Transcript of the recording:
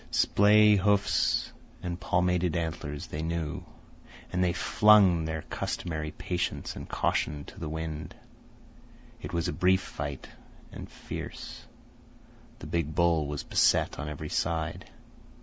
Splay hoofs and palmated antlers they knew, and they flung their customary patience and caution to the wind. It was a brief fight and fierce. The big bull was beset on every side.